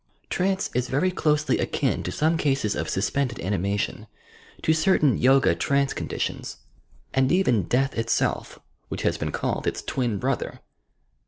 Trance is very closely akin to some eases of suspended animation, to certain Toga trauce conditions aud even TOUR PSYCHIC POWERS death haelf, vhieh has been called its "twin brother."